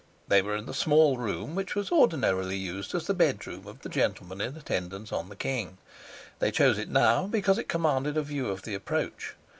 They were in the small room which was ordinarily used as the bedroom of the gentleman in attendance on the king: they chose it now because it commanded a view of the approach.